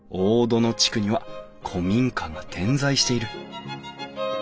地区には古民家が点在している。